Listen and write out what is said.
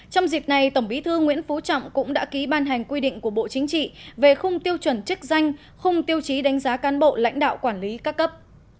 trong dịp này tổng bí thư nguyễn phú trọng cũng đã ký ban hành quy định của bộ chính trị về khung tiêu chuẩn chức danh khung tiêu chí đánh giá cán bộ lãnh đạo quản lý các cấp